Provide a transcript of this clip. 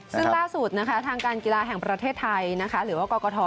ซึ่งล่าสุดทางการกีฬาแห่งประเทศไทยหรือว่ากลกท้อ